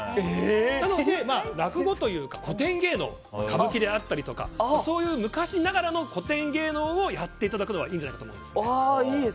なので、落語というか古典芸能歌舞伎であったりとかそういう昔ながらの古典芸能をやっていただくのがいいんじゃないかと思います。